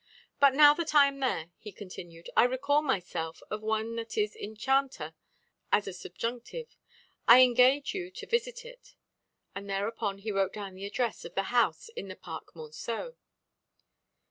"But now that I am there," he continued, "I recall myself of one that is enchanter as a subjunctive. I engage you to visit it." And thereupon he wrote down the address of the house in the Parc Monceau.